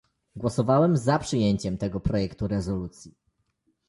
Głosowałem za przyjęciem tego projektu rezolucji